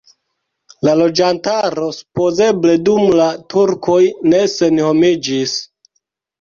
La loĝantaro supozeble dum la turkoj ne senhomiĝis.